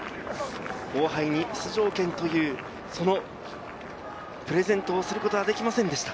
後輩に出場権というプレゼントをすることはできませんでした。